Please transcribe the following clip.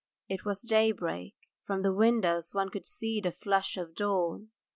It was daybreak; from the windows one could see the flush of dawn.